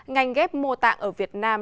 ngành ghép mô tạng ở việt nam